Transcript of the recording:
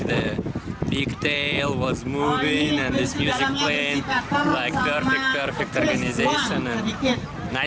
kulit besar itu bergerak dan musik ini dipelani seperti organisasi yang sempurna